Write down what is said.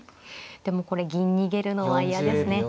でもこれ銀逃げるのは嫌ですね。